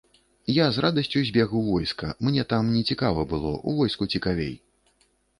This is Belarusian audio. Я з радасцю збег у войска, мне там нецікава было, у войску цікавей.